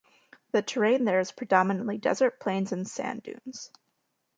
The terrain there is predominantly desert plains and sand dunes.